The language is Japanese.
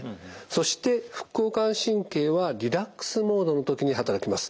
そして副交感神経はリラックスモードの時に働きます。